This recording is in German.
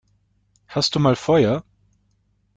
Hast du mal Feuer?